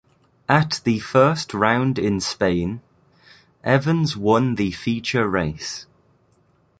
At the first round in Spain, Evans won the feature race.